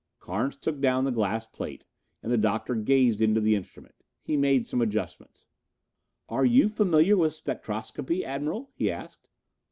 Carnes took down the glass plate and the Doctor gazed into the instrument. He made some adjustments. "Are you familiar with spectroscopy, Admiral?" he asked.